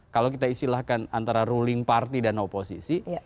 kalau kita istilahkan antara ruling party dan oposisi